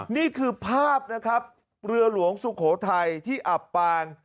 นี่คือภาพนะครับเรือหลวงสุโขทัยที่อับปาง